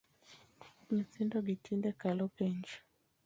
Nyithindo gi tinde kalo penj